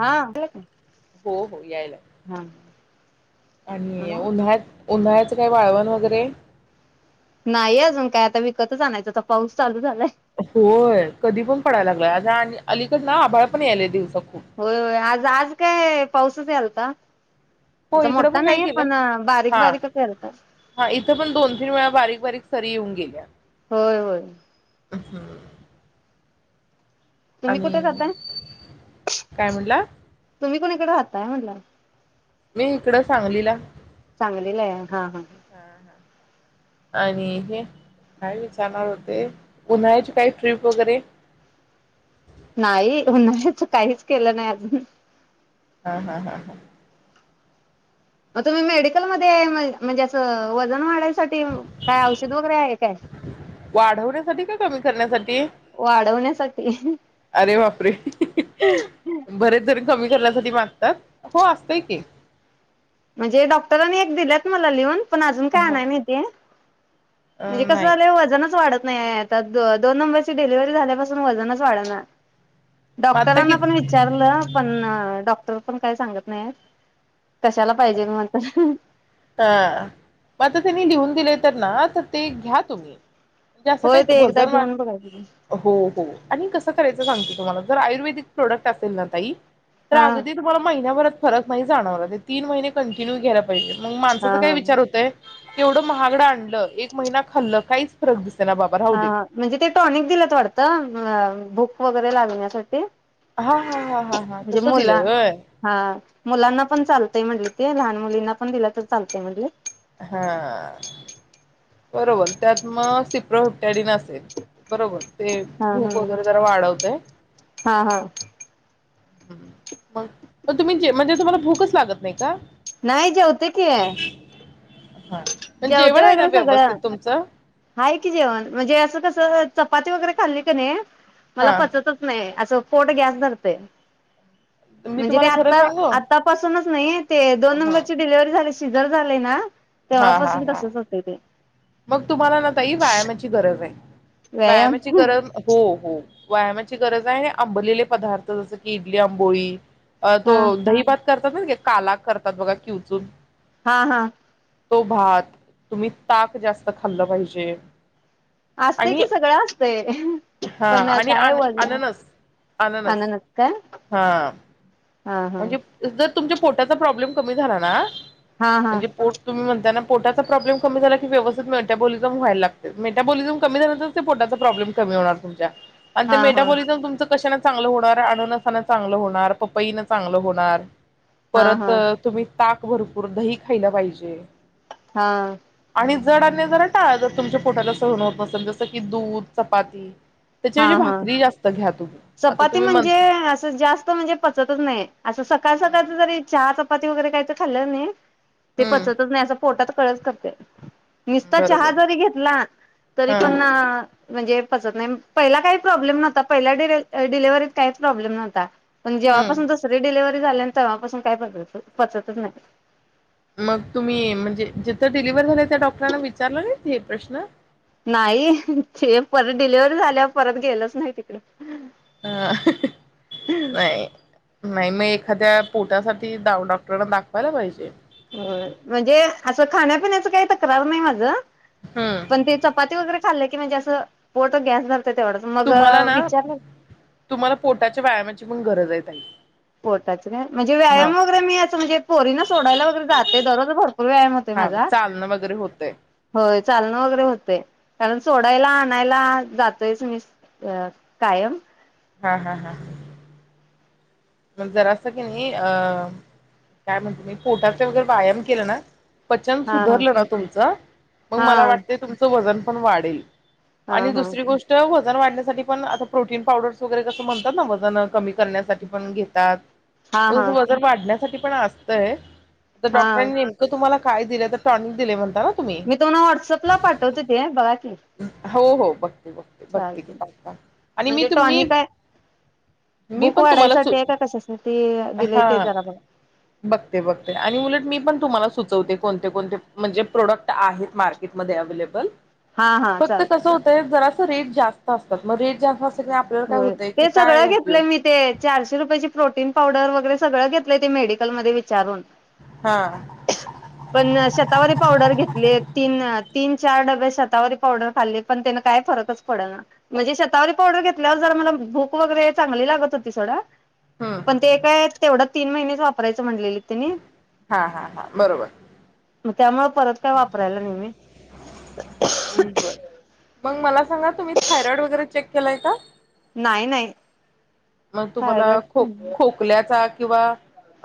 हा द्या की हो हो यायला हा आणि उन्हाळ्यात [inaudible] उन्हाळच काय वाळवण वगैरे नाही अजून काय आता विकतच आणायच आता पाऊस चालू झालाय होय कधी पण पडायला लागलाय आ आणि अलीकड ना आभाळ पण यायलय दिवसा खूप होय होय आज आज काय? पाऊसच यालता हो असा इकड मोठा पण काय नाही केल बारीक हा बारीकच यालता हा इथ पण दोन तीन वेळा बारीक बारीक सरी येऊन गेल्या होय होय आ हां तुम्ही कुठे आम्ही राहताय काय म्हटला? तुम्ही कुणीकडे राहताय म्हणल? मी इकड सांगलीला सांगलीला आहे हा हा आणि हे काय विचारणार होते उन्हाळ्याची काय ट्रिप वगैरे? नाही उन्हाळ्याच काहीच केल नाही अजून हा हा हा हा मग तुम्ही मेडिकलमध्ये म म्हणजे अस वजन वाढायच वाढयासाठी काय औषध वगैरे आहे काय? वाढवण्यासाठी का कमी करण्यासाठी वाढवण्यासाठी अरे! बापरे! बरेच जण कमी करण्यासाठी माग हो असतय की मजे डॉक्टरांनी एक दिल्यात मला लिहून पण अजून काय ह आणाय नाही ते म्हणजे कस नाही झालय वजनच वाढत नाही आता दो दोन नंबरची डिलिव्हरी झाल्यापासून वजनच वाढणा म आता कि डॉक्टरांना पण हा विचारल पण डॉक्टर पण काय सांगत नायेत हा मग आता तीनी लिहून दिलेत तर ना तर ते घ्या तुम्ही म्हणजे अस काही होय ते एकदा वजन वा घेऊन बघायचं हो हो आणि कस करायच त सांगते तुम्हाला जर आयुर्वेदिक प्रोडक्ट असेल ना ताई तर हा अगदी तुम्हाला महिन्याभरात फरक नाही जाणवणार तीन महिने कंटिन्यू घ्यायला पाहिजे मंग हा माणसाचा काय हा विचार होतय तेवढं महागड आणलं एक महिना खाल्ल काहीच फरक दिस हा म्हणजे ते टॉनिक दिलत वाटतं हा भूक वगैरे लागण्यासाठी हा हा हा हा हा म्हणजे तसं मुला दिलं होय हा मुलांना पण चाल ते म्हटले ते लहान मुलींना पण दिला तर चालतय म्हटले हा बरोबर त्यात म सिप्रो डीन असेल बरोबर ते हा भूक हा वगैरे जरा वाढवतय हा हा मग म तुम्ही जे म्हणजे तुम्हाला भूकच लागत नाही का? नाही जेवते की, हा. पण जेवते जेवण आहे ना वैगेरे व्यवस्थित सगळं तुमचं? हाय की जेवण म्हणजे असं कसं चपाती वगैरे खाल्ली का नाही मला हा पचतच नाही असं फोट गॅस धरतय मी म्हणजे ते तुम्हाला खरं आ सांगू? आतापासूनच नाही ते दोन हा. नंबरची डिलव्हरी झाली शिजर झालंय ना हा हा तेव्हापासून हा तसच होतय ते मग तुम्हाला ना ताई व्यायामाची गरज ये व्यायाम व्यायामाची गरम हो हो व्यायामाची गरज आहे ना आंबलेले पदार्थ जस की इडली आंबोळी अ तो हा दहीभात करतात ना काला करतात बघा किवचून हा हा तो भात तुम्ही ताक जास्त खाल्लं पाहिजे. असते आणि कि सगळं असते हा पण आणि काय अन बोल अननस अननस का हा हा हा. म्हणजे जर तुमच्या पोटाचा प्रॉब्लेम कमी झाला ना? हा हा म्हणजे पोट तुम्ही म्हणताना पोटाचा प्रॉब्लेम कमी झाला की व्यवस्थित मेटाबोलिझम व्हायला लागते मेटाबोलिजम कमी झाल की पोटाचा प्रॉब्लेम कमी होणार तुमच्या आणि ते हा हा मेटाबोलिजम तुमचं कशान चांगलं होणार अननसान चांगलं होणार पपईन चांगलं होणार. हा परत हा तुम्ही ताक भरपूर दही खायला पाहिजे. हा आणि जड अन्न जरा टाळा जर तुमच्या पोटाला सहन होत नसेल जसं की दूध चपाती हा त्याच्याऐवजी हा भाकरी जास्त घ्या तुम्ही आता चपाती तुम्ही म्हणता म्हणजे असं जास्त म्हणजे पचतच नाही असं सकाळ सकाळच हम्म जरी चहा च चपाती वगैरे काय तर खाल्लं की नाही ते पचतच नाही असं पोटात कळच करते. नुसता चहा बरोबर जरी घेतला तरी हा पण अ्ं म्हणजे पचत नाही. पहिला काही प्रॉब्लेम नव्हता पहिला डिलेिव्हरीत काहीच प्रॉब्लेम नव्हता. पण हम्म जेव्हापासून दुसरी डिलिव्हरी झाल्या तेंव्हापासून काय पचतच नाही. मग तुम्ही म्हणजे जिथं डिलिव्हर झाला त्या डॉक्टरांना विचारलं नाहीत हे प्रश्न? नाही ते परत डिलिव्हरी झाल्या परत गेलोच नाही तिकडे. नाही नाही मग एक खरं त्या पोटासाठी डॉक्टरांना दाखवायला पाहिजे. होय म्हणजे असं खाण्यापिण्याच काही तक्रार नाही माझं हम्म पण ते चपाती वगैरे खाल्ले की म्हणजे असं पोट गॅस धरते. तुम्हाला ना तुम्हाला पोटाच्या व्यायामाची पण गरजा आहे. [unintelligible] पोटाच नाही म्हणजे हा व्यायाम वगैरे मी असं म्हणजे पोरी ना सोडायला वगैरे जाते. ते दररोज भरपूर व्यायाम होतोय हा माझा चालणं वगैरे होतय होय चालन वगैरे होतंय कारण सोडायला सोडायला आणायला जातोयच मी अ कायम हा हा हा मग जरा असं की नाही अ काय म्हणते मी पोटाचा वगैरे व्यायाम केला ना पचन हा हा सुधारलं ना तुमचं मग हा मला वाटते तुमचं वजन पण वाढेल. हा आणि हा दुसरी गोष्ट बोल वजन वाढण्यासाठी पण आता प्रोटीन पावडर वगैरे कसं म्हणतात वजन कमी कर म्हणून घेतात हा हा वजन वाढण्यासाठी पण असतंय तर हा डॉक्टरांनी नेमकं तुम्हाला? काय दिले तर टॉणीक दिले म्हणता ना तुम्ही मी तुम्हाला व्हाट्सअपला पाठवते ते बघा की? हो हो बघ बघते चालते बघते आणि मी म्हणजे तूम्ही टॉनिक आहे मी भूक पण ते मलाचे वाढायसाठी आहे का कशासाठी दिलंय हा ते जरा बघा बगते बगते आणि उलट मी पण तुम्हाला सुचवते कोणते कोणते म्हणजे प्रोडक्ट आहेत मार्केटमध्ये अवेलेबल हा हा फक्त कसं चालते होतय जरा रेट जास्त असतात ना रेट जास्त की आपल्याला काय हो होतंय की ते काय सगळं घेतलं उपयोग मी ते चारशे रुपयाेची प्रोटीन पावडर वगैरे सगळं घेतलंय ते मेडिकलमध्ये विचारून हा पण शतावरी पावडर घेतले तीन तीन चार डबे शतावरारी पावडर खाल्ली पण त्यान काय फरकच पडेल ना म्हणजे शतावरी पावडर घेत जरा मला भूक वगैरे चांगली लागत होती सोडा हम्म पण ते काय तेवढंच तीन महिनेच वापरायं म्हणलेले हा हा हा बरोबर मग त्यामुळे परत काय वापरायला नाही मी. बर. मग मला सांगा तुम्ही थायरॉइड वगैरे चेक केलाय का? नाही नाही मग तुम्हाला खो थायरॉइड खोकल्याचा किंवा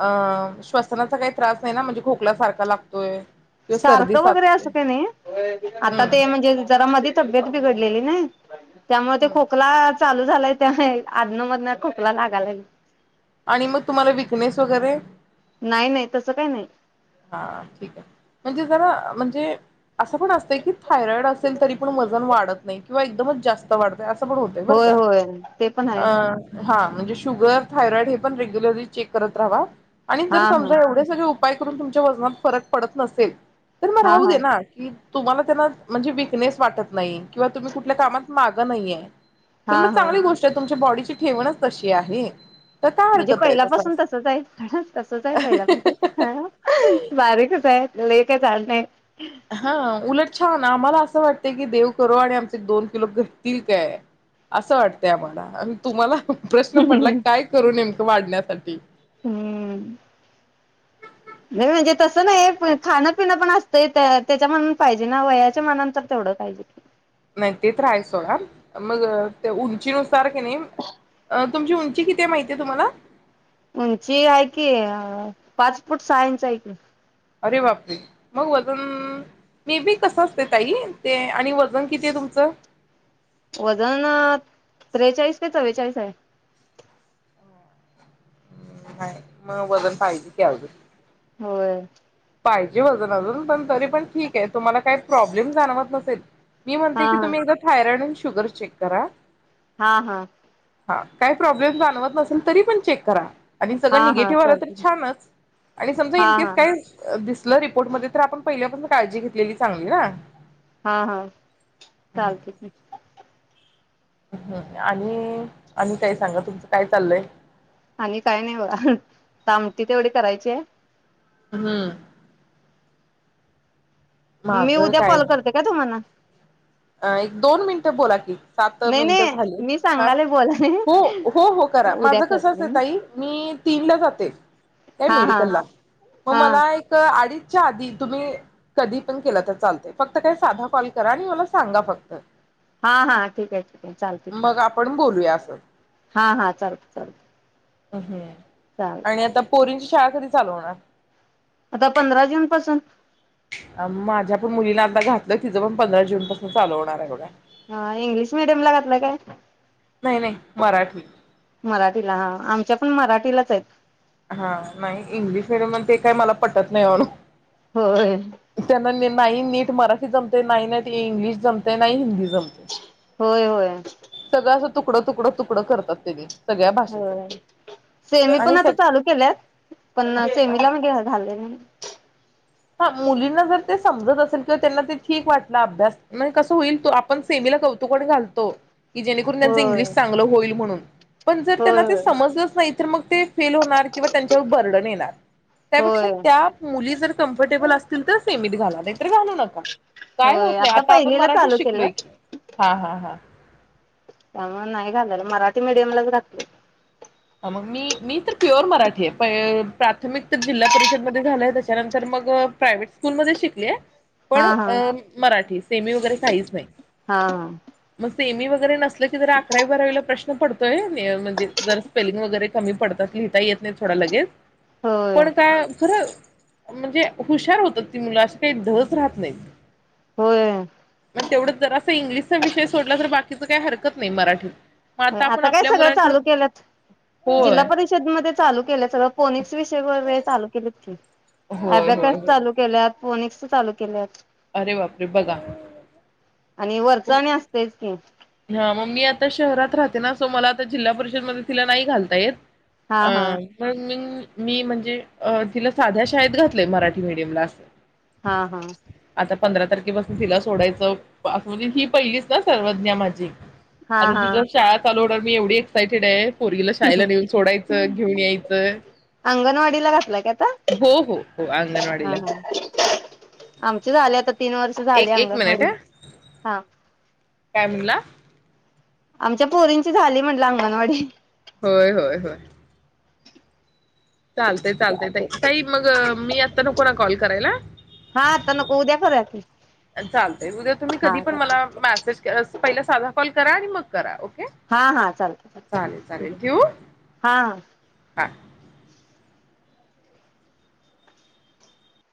अं श्वसनाचा काही त्रास नाही ना म्हणजे खोकलासारखा लागतोय किंवा सर्दी सारखं वगैरे अस साचते काय नाही आता हम्म ते म्हणजे जरा मधी तब्येत बिघडली गेली नाय त्यामुळे ते हम्म खोकला चालू झालंय त्या आधण मधन खोकला लागालाय. आणि मग तुम्हाला विकनेस वगैरे नाही नाही तसं काही नाही हा ठीक आहे म्हणजे जरा म्हणजे असं पण असतंय की थायरॉइड असेल तरी पण वजन वाढत नाही किंवा रोज जास्त वाढतय अस असं पण होतय बर होय का? होय ते पण आहे हा म्हणजे शुगर थायरॉइड हे पण रेग्युलरली चेक करत राहावा आणि हा जर हा समजा एवढे सगळे उप पण तुमच्या वजनात फरक पडत नसेल तर मग हा राहू दे हा ना की? तुम्हाला त्यांना म्हणजे विकनेस वाटत नाही किंवा तुम्ही कुठल्या कामात मागं नाहीये तर हा मग हा चांगली गोष्ट आहे तुमच्या बॉडीची ति ठेवणच तशी आहे तर काय म्हणजे हरकत आहे तसं पहिल्यापासून तसच आहे तसच आहे पहिल्यापासून बारीकच आहे लइ काय? जाड नाही हा उलट छान आम्हाला असं वाटतय की देव करू आणि आमचे दोन किलो घटतील काय असं वाटतय आम्हाला आणि तुम्हाला प्रश्न पडला काय करू नेमकं वाढण्यासाठी हम्म नाही म्हणजे तसं नाही खाणपिणं पण असतंय त्या त्याच्या मनात पाहिजे ना वयाच्या मनात तर तेवढं पाहिजे की नाही ते त हाय सोडा मग त्या उंचीनुसार की नाही तुमची उंची किती माहिती आहे तुम्हाला? उंची आहे की पाच फूट सहा इंच आहे कि अरे बापरे मग वजन मेबी कसं असते ताई? ते आणि वजन किती आहे तुमचं? वजन त्रेचाळीस का चव्वेचाळीस आहे? नाही [unintelligible] मग वजन पाहिजे की अजून होय पाहिजे वजन अजून पण तरी पण ठीक आहे तुम्हाला काही प्रॉब्लेम जाणवत नसेल? मी हा म्हणते की तुम्ही एकदा थायरॉईड शुग शुगर चेक करा हा हा हा काही प्रॉब्लेम जाणवत नसेल तरी पण चेक करा आणि सगळं हा हा निगेटिव्ह आलं तर चालते छानच आणि समजा हा इनकेस हा काय? दिसलं रिपोर्ट मध्ये तर आपण पहिल्यापास काळजी घेतलेली चांगली ना हा हा चालतय की हम् आणि आणी काही सांगा तुमचं काय चाललय? आणि काय नाही बघा? आमटी तेवढी करायची आहे हम्म मी माझ उद्या कॉल करते का तुम्हाला? अ एक दोन मिनिटं बोला की? सात नाही मिनिट नाही झाले मी हा सांगायला बोलाय हो हो हो करा उद्या माझं कसंच करते आहे ना ताई मी तीन ला जाते काय? हा हा मेडिकलला हो हा मला एक अडीच च्या आधी तुम्ही कधी पण केला तर चालतय फक्त काय साधा कॉल करा आणि मला सांगा फक्त हा हा ठीक आहे ठीक आहे चालतयं की. मग आपण [inaudible] हा हा चालत चालतंय. अ हं. आणि आता पोरींची शाळा कधी? चालु होणार आता पंधरा जून पासून. माझ्या पण मुलींना आता घातलं तिचं पण पंधरा जून पासून चालु होणार हाय बघा. हा इंग्लिश मिडियम ला घातलायं काय? नाही नाही मराठी मराठीला हा आमच्या - - पण मराठीलाच हाईत. हा नाही इंग्लिश मिडियम ते काही मला पटत नाही ओ. होय. नाही नीट मराठी जमतंय. नाही नीट इंग्लिश जमतंय. ना हिंदी जमतंय. होय, होय. सगळं असं तुकडं तुकडं तुकडं करतात त्याचे. होय सेमी पण आणि सग आता चालू केल्यात पण सेमीला मी घालाय नाही. हा मुलींना जर ते समजत असेल किंवा त्यांना ते ठीक वाटलं अभ्यास म्हणजे कसं होईल तो आपण सेमीला कौतुकने घालतो. की जेणेकरून त्यांचं होय इंग्लिश चांगलं होईल म्हणून. पण जर त्यांना होय ते होय. समजलंच नाही तर मग ते फेल होणार किंवा त्यांच्यावर बर्डन येणार. त्यापेक्षा होय त्या मुली जर कम्फर्टेबल असतील तर सेमित घाला. नाही तर घालु नका काय होत होय नाही आता आपण पहिलीला मराठी चालू शिकलोय केल्यात. की. हा हा हा त्यामुळे नाही घालायला मराठी मीडियमलाच घातलयं. मग मी मी तर प्युअर मराठी आहे प्राथमिक तर जिल्हा परिषद मध्ये झालंय त्याच्यानंतर मग प्रायव्हेट स्कूल मध्ये शिकलीय. पण हा हा अ मराठी सेमी वगैरे काहीच नाही हा हा. मस् - - सेमी वगैरे नसल की जर अकरावी, बरावीला प्रश्न पडतोय म्हणजे जर स्पेलिंग वगरे कमी पडतात लिहिता येत येत नाही थोडा लगेच होय पण का खरं म्हणजे हुशार होतात ती मुलं अशी काही ढच राहत नाहीत. होय. तेवढं जर असा इंग्लिशचा विषय सोडला तर बाकीच काही हरकत नाही मराठीत. मग आपण आता काय आपल्या सगळं मुलांकडे चालू केल्यात. जिल्हा होय परिषदमध्ये चालू केलं सगळं फोनिकस विषय वगैरे चालू केलेत कि. होय होय ॲबॅकस होय चालू केल्यात. फोनेक्स चालू केल्यात. अरे वापरे बघा आणि वरचा आणि असतेच की ह मग मी आता शहरात राहते ना सो मला आता जिल्हा परिषद मध्ये तिला नाही घालता येत हा अ हा पण म मी म्हणजे अ तिला साध्या शाळेत घातलंय मराठी मीडियमला असं हा हा आता पंधरा तारखेपासून तिला सोडायचं ही पहिलीच ना सर्वज्ञ माझी हा हा अता शाळ चालो मी एवढी एक्सायटेड आहे पोरगीला शाळेला नेऊन सोडायचं घेऊन यायचं अंगणवाडीला घातला का आता हो हो हो अंगणवाडीला हाय आमचे झाले आता तीन वर्ष झाली एक एक मिनिट अंगणवाडी ह हा काय म्हणला आमच्या पोरींची झाली म्हनलं अंगणवाडी होय होय होय चालतय चालतय चालते ताई मग मी आता नको ना कॉल करायला हा आता नको उद्या करूया की चालतय उद्या तुम्ही कधी हा पण चाल मला मेसेज पहिला साधा कॉल करा आणि मग करा ओ हा हा चालतय चालते ठेवू हा हा हां